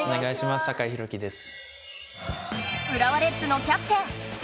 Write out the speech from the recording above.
酒井宏樹です。